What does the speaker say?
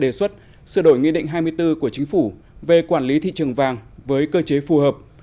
đề xuất sửa đổi nghị định hai mươi bốn của chính phủ về quản lý thị trường vàng với cơ chế phù hợp